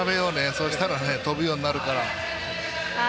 そしたらね、飛ぶようになるから。